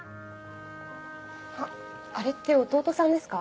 あっあれって弟さんですか？